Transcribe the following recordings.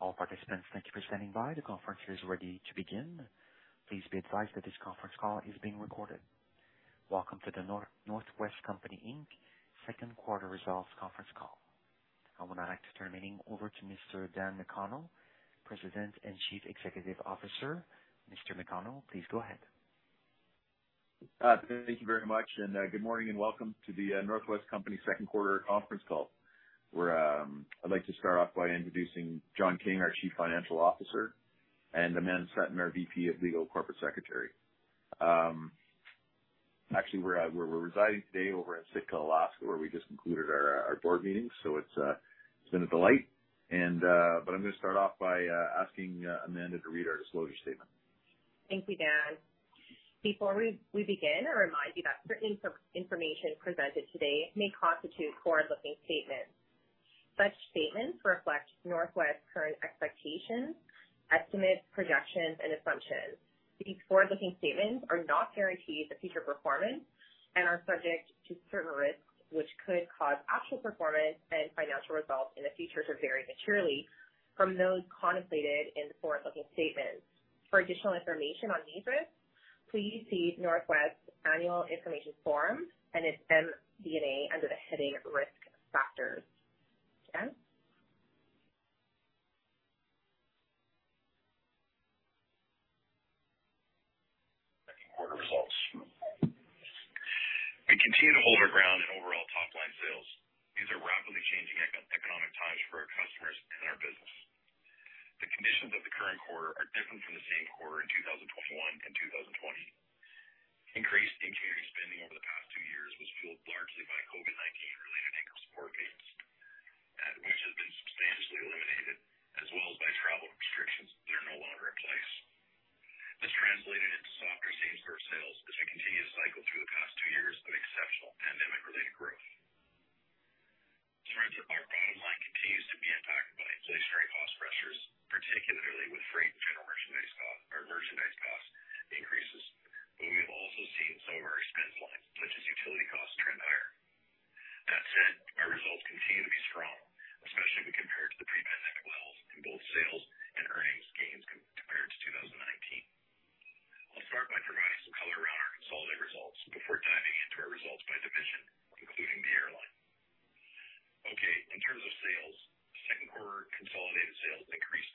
All participants, thank you for standing by. The conference is ready to begin. Please be advised that this conference call is being recorded. Welcome to the The North West Company Inc second quarter results conference call. I would now like to turn the meeting over to Mr. Daniel McConnell, President and Chief Executive Officer. Mr. McConnell, please go ahead. Thank you very much, and good morning and welcome to the The North West Company second quarter conference call, where I'd like to start off by introducing John King, our Chief Financial Officer, and Amanda Sutton, our VP of Legal and Corporate Secretary. Actually, we're residing today over in Sitka, Alaska, where we just concluded our board meeting. It's been a delight. I'm gonna start off by asking Amanda to read our disclosure statement. Thank you, Dan. Before we begin, I remind you that certain information presented today may constitute forward-looking statements. Such statements reflect North West's current expectations, estimates, projections, and assumptions. These forward-looking statements are not guarantees of future performance and are subject to certain risks, which could cause actual performance and financial results in the future to vary materially from those contemplated in the forward-looking statements. For additional information on these risks, please see North West's annual information form and its MD&A under the heading Risk Factors. Dan? Second quarter results. We continue to hold our ground in overall top-line sales. These are rapidly changing economic times for our customers and our business. The conditions of the current quarter are different from the same quarter in 2021 and 2020. Increased discretionary spending over the past two years was fueled largely by COVID-19 related income support gains, which have been substantially eliminated, as well as by travel restrictions that are no longer in place. This translated into softer same-store sales as we continue to cycle through the past two years of exceptional pandemic-related growth. Trends at our bottom line continues to be impacted by inflationary cost pressures, particularly with freight and general merchandise cost increases, but we have also seen some of our expense lines, such as utility costs, trend higher. That said, our results continue to be strong, especially when compared to the pre-pandemic levels in both sales and earnings gains compared to 2019. I'll start by providing some color around our consolidated results before diving into our results by division, including the airline. Okay, in terms of sales, second quarter consolidated sales increased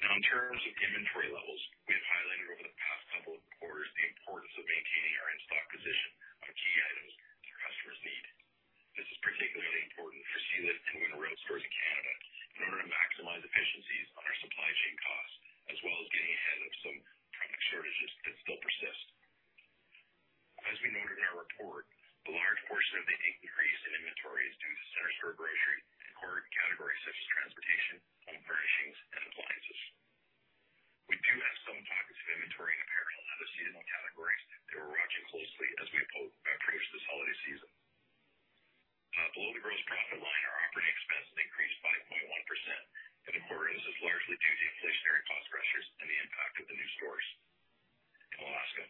Now, in terms of inventory levels, we have highlighted over the past couple of quarters the importance of maintaining our in-stock position on key items that our customers need. This is particularly important for select and winter road stores in Canada in order to maximize efficiencies on our supply chain costs, as well as getting ahead of some product shortages that still persist. As we noted in our report, a large portion of the increase in inventory is due to Center Store Grocery and hard categories such as transportation, home furnishings, and appliances. We do have some pockets of inventory in apparel and other seasonal categories that we're watching closely as we approach this holiday season. Below the gross profit line, our operating expenses increased by 0.1%, and of course, this is largely due to inflationary cost pressures and the impact of the new stores in Alaska.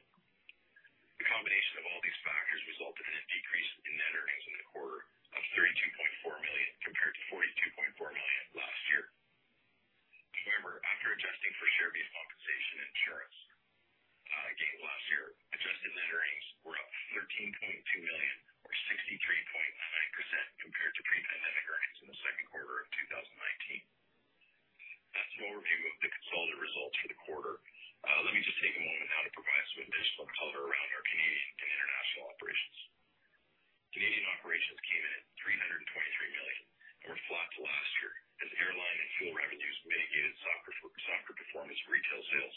The combination of all these factors resulted in a decrease in net earnings in the quarter of 32.4 million, compared to 42.4 million last year. However, after adjusting for share-based compensation and interest gained last year, adjusted net earnings were up 13.2 million or 63.9% compared to pre-pandemic earnings in the second quarter of 2019. That's an overview of the consolidated results for the quarter. Let me just take a moment now to provide some additional color around our Canadian and international operations. Canadian operations came in at 323 million and were flat to last year as airline and fuel revenues mitigated softer performance in retail sales.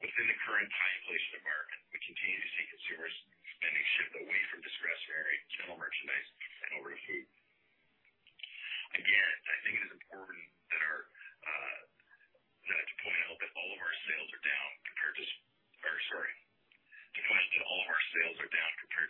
Within the current high inflation environment, spending shifted away from discretionary general merchandise and over to food. Again, I think it is important that I point out that all of our sales are down compared to. Despite that all of our sales are down compared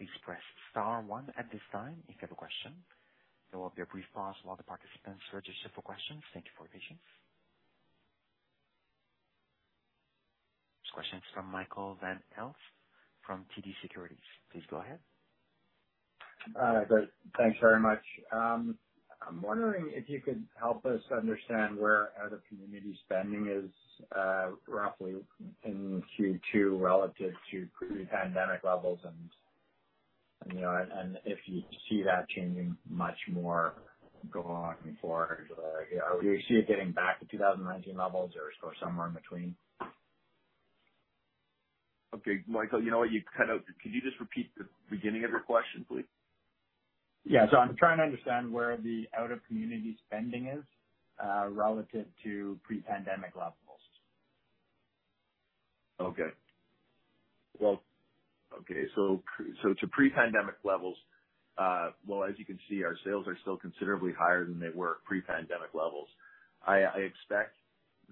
Please press star one at this time if you have a question. There will be a brief pause while the participants register for questions. Thank you for your patience. First question is from Michael Van Aelst from TD Securities. Please go ahead. Great. Thanks very much. I'm wondering if you could help us understand where out-of-community spending is, roughly in Q2 relative to pre-pandemic levels and, you know, if you see that changing much more going forward. You know, do you see it getting back to 2019 levels or still somewhere in between? Okay, Michael, you know what? Could you just repeat the beginning of your question, please? Yeah. I'm trying to understand where the out-of-community spending is relative to pre-pandemic levels. Okay, well okay so pre-pandemic levels as you can see, our sales are still considerably higher than they were at pre-pandemic levels. I expect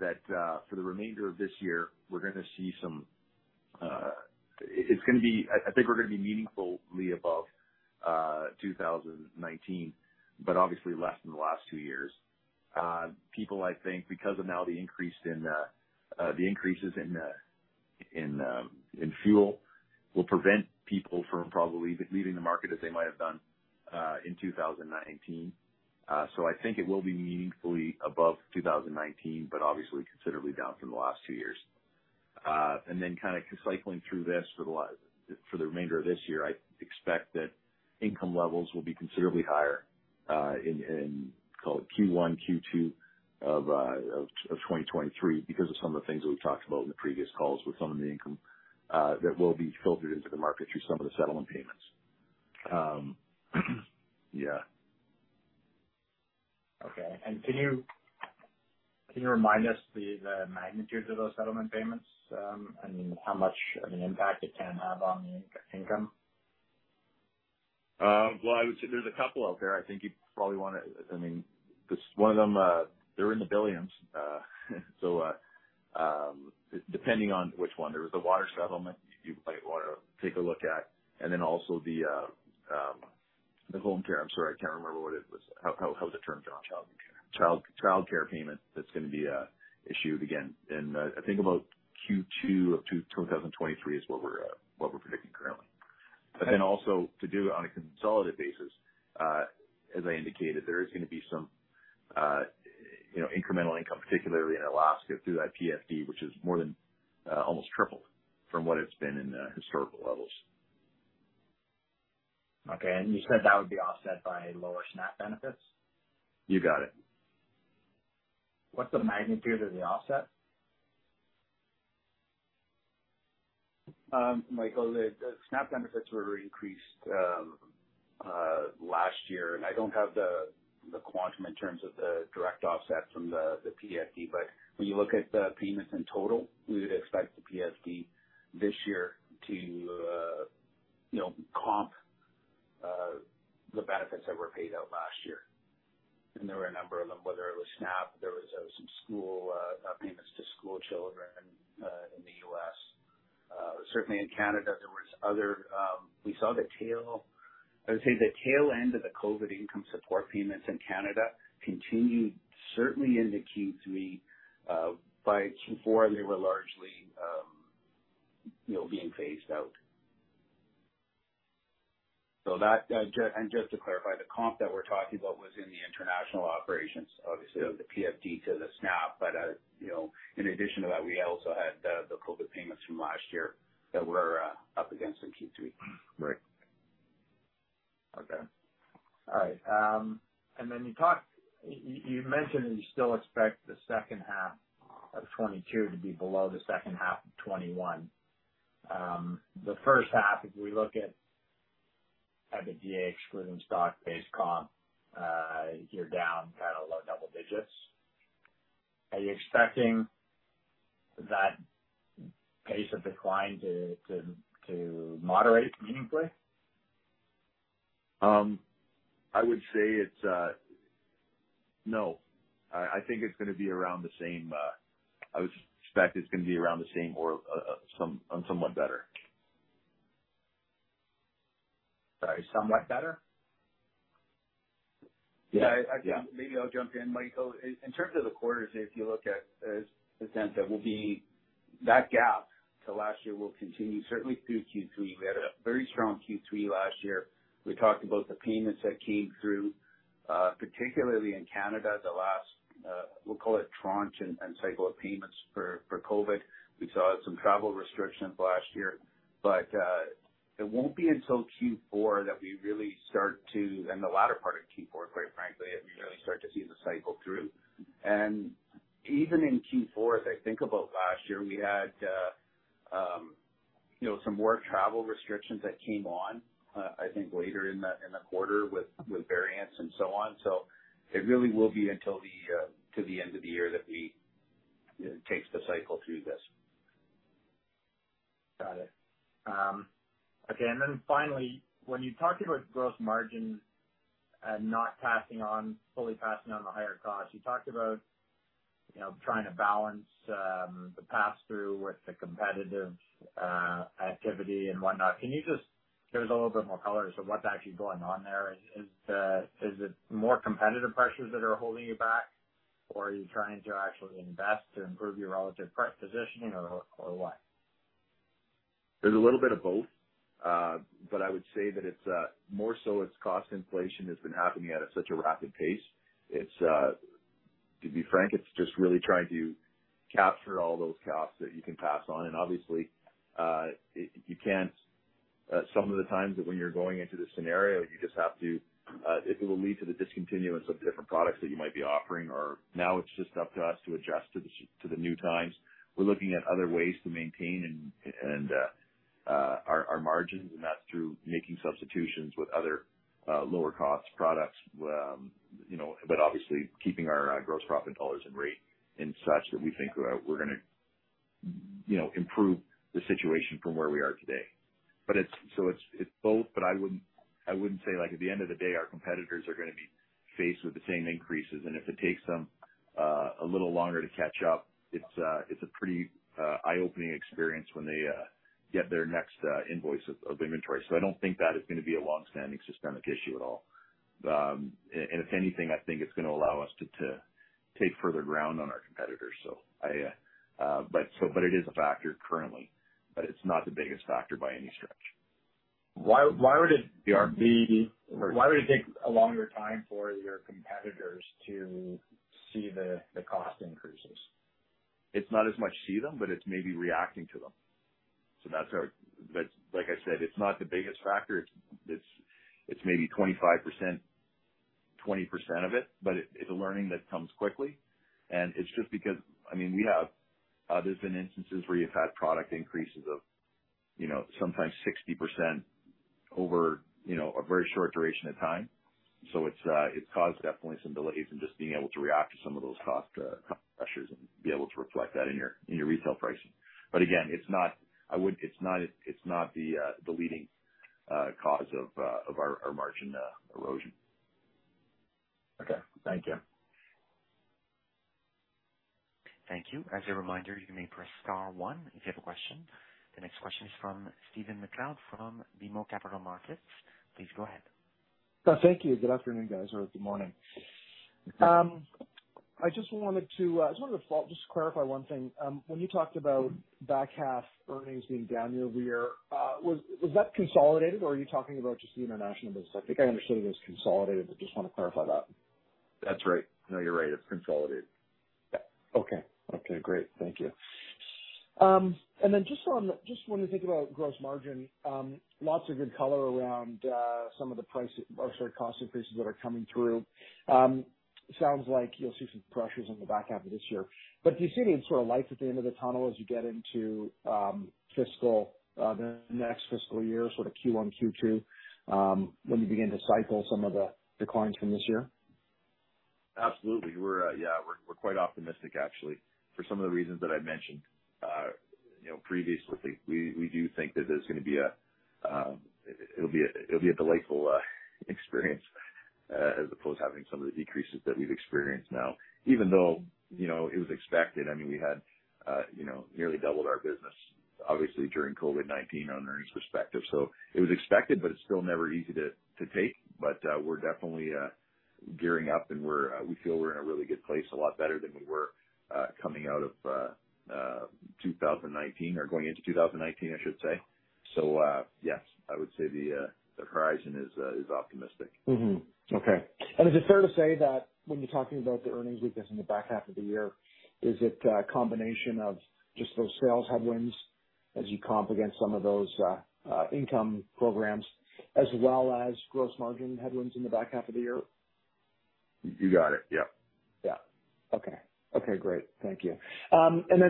that for the remainder of this year, I think we're gonna be meaningfully above 2019, but obviously less than the last two years. People, I think, because of now the increases in fuel will prevent people from probably leaving the market as they might have done in 2019. I think it will be meaningfully above 2019, but obviously considerably down from the last two years. Kind of cycling through this for the remainder of this year, I expect that income levels will be considerably higher in call it Q1, Q2 of 2023 because of some of the things that we've talked about in the previous calls with some of the income that will be filtered into the market through some of the settlement payments. Okay. Can you remind us the magnitude of those settlement payments, and how much of an impact it can have on the income? Well, I would say there's a couple out there. I think you probably wanna. I mean, 'cause one of them, they're in the billions. Depending on which one. There was a water settlement you might wanna take a look at. Then also the home care. I'm sorry, I can't remember what it was. How's the term, John? Child care payment that's gonna be issued again in, I think about Q2 of 2023 is what we're predicting currently. Then also to do it on a consolidated basis, as I indicated, there is gonna be some, you know, incremental income, particularly in Alaska through that PFD, which is more than almost triple from what it's been in the historical levels. Okay. You said that would be offset by lower SNAP benefits? You got it. What's the magnitude of the offset? Michael, SNAP benefits were increased last year, and I don't have the quantum in terms of the direct offset from the PFD, but when you look at the payments in total, we would expect the PFD this year to, you know, comp the benefits that were paid out last year. There were a number of them, whether it was SNAP, there was some school payments to school children in the U.S. Certainly in Canada, there was other. We saw the tail end, I would say, of the COVID income support payments in Canada continued certainly into Q3. By Q4, they were largely, you know, being phased out. Just to clarify, the comp that we're talking about was in the international operations, obviously of the PFD to the SNAP. You know, in addition to that, we also had the COVID payments from last year that were up against in Q3. You talked, you mentioned that you still expect the second half of 2022 to be below the second half of 2021. The first half, if we look at the EBITDA excluding stock-based comp, you're down kind of low double digits. Are you expecting that pace of decline to moderate meaningfully? I would say it's a no. I think it's gonna be around the same. I would expect it's gonna be around the same or somewhat better. Sorry, somewhat better? Yeah. Maybe I'll jump in, Michael. In terms of the quarters, if you look at that gap to last year will continue certainly through Q3. We had a very strong Q3 last year. We talked about the payments that came through, particularly in Canada, the last we'll call it tranche and cycle of payments for COVID. We saw some travel restrictions last year. It won't be until Q4 that we really start to, in the latter part of Q4, quite frankly, that we really start to see the cycle through. Even in Q4, as I think about last year, we had you know some more travel restrictions that came on, I think later in the quarter with variants and so on. It really will be to the end of the year that we, you know, takes the cycle through this. Got it. Okay. Then finally, when you talk about gross margin and not passing on, fully passing on the higher cost, you talked about, you know, trying to balance the pass-through with the competitive activity and whatnot. Can you just give us a little bit more color as to what's actually going on there? Is it more competitive pressures that are holding you back, or are you trying to actually invest to improve your relative price positioning or what? There's a little bit of both, but I would say that it's more so it's cost inflation has been happening at such a rapid pace. It's to be frank, it's just really trying to capture all those costs that you can pass on. Obviously, you can't some of the times that when you're going into the scenario, you just have to if it will lead to the discontinuance of different products that you might be offering, or now it's just up to us to adjust to the new times. We're looking at other ways to maintain and our margins, and that's through making substitutions with other lower cost products. You know, but obviously keeping our gross profit dollars and rate and such that we think we're gonna, you know, improve the situation from where we are today. It's both, but I wouldn't say, like, at the end of the day, our competitors are gonna be faced with the same increases. If it takes them a little longer to catch up, it's a pretty eye-opening experience when they get their next invoice of inventory. I don't think that is gonna be a longstanding systemic issue at all. If anything, I think it's gonna allow us to take further ground on our competitors. It is a factor currently, but it's not the biggest factor by any stretch. Why would it be? Sorry. Why would it take a longer time for your competitors to see the cost increases? It's not as much seeing them, but it's maybe reacting to them. Like I said, it's not the biggest factor. It's maybe 25%, 20% of it, but it's a learning that comes quickly. It's just because, I mean, we have others in instances where you've had product increases of, you know, sometimes 60% over, you know, a very short duration of time. It's definitely caused some delays in just being able to react to some of those cost pressures and be able to reflect that in your retail pricing. Again, it's not the leading cause of our margin erosion. Okay. Thank you. Thank you. As a reminder, you may press star one if you have a question. The next question is from Stephen MacLeod from BMO Capital Markets. Please go ahead. Thank you. Good afternoon, guys, or good morning. Good morning. I just wanted to follow up, just to clarify one thing. When you talked about back half earnings being down year-over-year, was that consolidated or are you talking about just the international business? I think I understood it was consolidated, but just wanna clarify that. That's right. No, you're right. It's consolidated. Yeah. Okay. Okay, great. Thank you. And then just when we think about gross margin, lots of good color around some of the price, or sorry, cost increases that are coming through. Sounds like you'll see some pressures on the back half of this year. Do you see any sort of light at the end of the tunnel as you get into fiscal, the next fiscal year, sort of Q1, Q2, when you begin to cycle some of the declines from this year? Absolutely. We're quite optimistic actually for some of the reasons that I've mentioned, you know, previously. We do think that it'll be a delightful experience as opposed to having some of the decreases that we've experienced now. Even though, you know, it was expected. I mean, we had, you know, nearly doubled our business obviously during COVID-19 on an earnings perspective. It was expected, but it's still never easy to take. We're definitely gearing up and we feel we're in a really good place, a lot better than we were coming out of 2019, or going into 2019, I should say. Yes, I would say the horizon is optimistic. Mm-hmm. Okay. Is it fair to say that when you're talking about the earnings weakness in the back half of the year, is it a combination of just those sales headwinds as you comp against some of those income programs as well as gross margin headwinds in the back half of the year? You got it. Yep. Yeah. Okay. Okay, great. Thank you.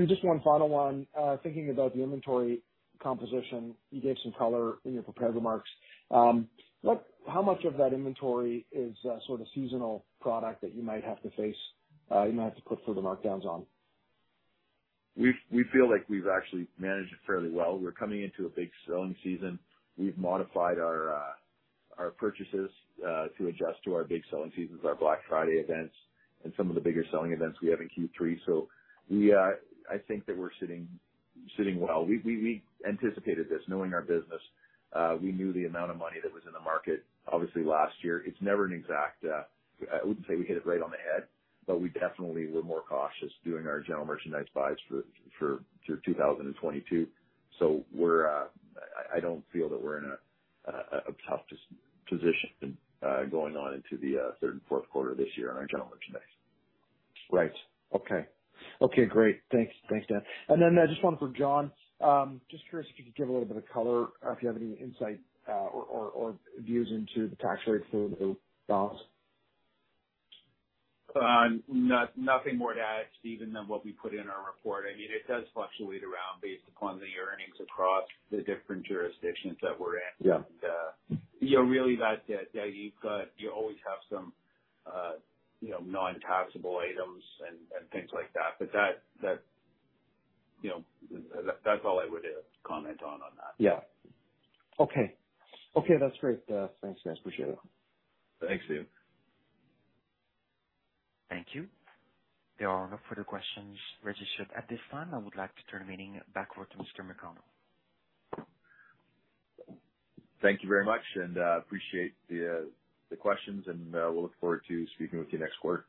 Just one final one. Thinking about the inventory composition, you gave some color in your prepared remarks. How much of that inventory is sort of seasonal product that you might have to face, you might have to put further markdowns on? We feel like we've actually managed it fairly well. We're coming into a big selling season. We've modified our purchases to adjust to our big selling seasons, our Black Friday events, and some of the bigger selling events we have in Q3. I think that we're sitting well. We anticipated this. Knowing our business, we knew the amount of money that was in the market obviously last year. It's never an exact, I wouldn't say we hit it right on the head, but we definitely were more cautious doing our general merchandise buys for 2022. I don't feel that we're in a tough position going on into the third and fourth quarter this year on our general merchandise. Right. Okay, great. Thanks, Dan. Just one for John. Just curious if you could give a little bit of color or if you have any insight or views into the tax rate for the dollars? Nothing more to add, Stephen, than what we put in our report. I mean, it does fluctuate around based upon the earnings across the different jurisdictions that we're in. Yeah. You know, really that's it. You always have some, you know, non-taxable items and things like that. That, you know, that's all I would comment on that. Yeah. Okay, that's great. Thanks guys, appreciate it. Thanks, Stephen. Thank you. There are no further questions registered at this time. I would like to turn the meeting back over to Mr. McConnell. Thank you very much and appreciate the questions and we'll look forward to speaking with you next quarter.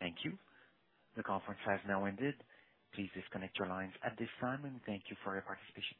Thank you. The conference has now ended. Please disconnect your lines at this time, and thank you for your participation.